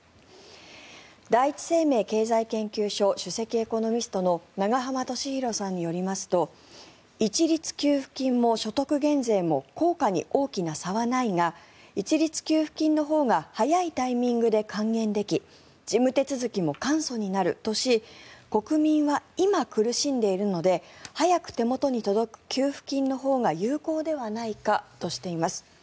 第一生命経済研究所首席エコノミストの永濱利廣さんによりますと一律給付金も所得減税も効果に大きな差はないが一律給付金のほうが早いタイミングで還元でき事務手続きも簡素になるとし国民は今、苦しんでいるので早く手元に届く給付金のほうが有効ではないかとしています。